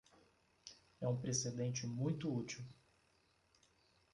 É um precedente muito útil.